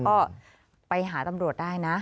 ก็ไปหาตำรวจได้นะ